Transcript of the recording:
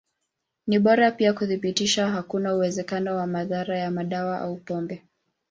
Ni bora pia kuthibitisha hakuna uwezekano wa madhara ya madawa au pombe.